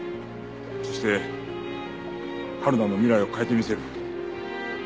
そしてはるなの未来を変えてみせる。